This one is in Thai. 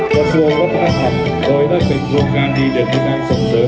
กระทรวงวัฒนธรรมเลยได้เป็นโครงงานที่เดินทางส่งเสริม